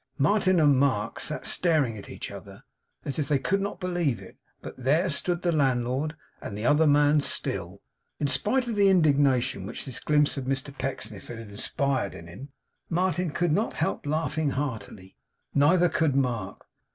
Martin and Mark sat staring at each other, as if they could not believe it; but there stood the landlord, and the other man still. In spite of the indignation with which this glimpse of Mr Pecksniff had inspired him, Martin could not help laughing heartily. Neither could Mark.